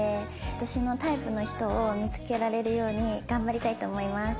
私のタイプの人を見付けられるように頑張りたいと思います。